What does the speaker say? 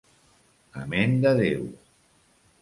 Amén de Déu!